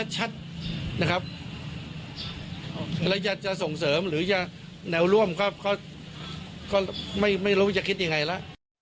อะไรจะส่งเสริมหรือจะแนวร่วมก็ไม่รู้จะคิดยังไงแล้ว